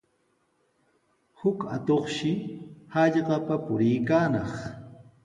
Huk atuqshi hallqapa puriykaanaq.